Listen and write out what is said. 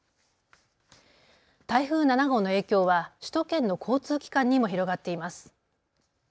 台風７号の影響は首都圏の交通機関にも広がっています。